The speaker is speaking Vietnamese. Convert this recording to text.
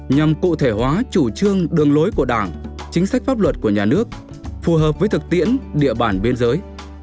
nhằm cụ thể hóa chủ trương đường lối của đảng chính sách pháp luật của nhà nước phù hợp với thực tiễn địa bàn biên giới